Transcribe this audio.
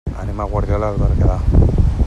Anem a Guardiola de Berguedà.